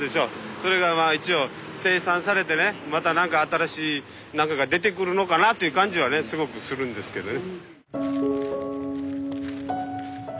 それがまあ一応清算されてねまたなんか新しい何かが出てくるのかなっていう感じはねすごくするんですけどね。